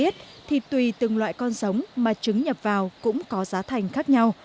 thì tùy từng loại con giống mà trứng nhập vào cũng có giá thành khác nhau